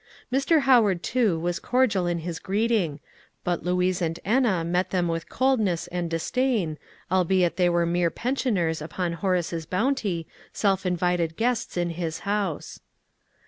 Mr. Howard, too, was cordial in his greeting, but Louise and Enna met them with coldness and disdain, albeit they were mere pensioners upon Horace's bounty, self invited guests in his house.